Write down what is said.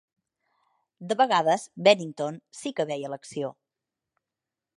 De vegades, "Bennington" sí que veia l'acció.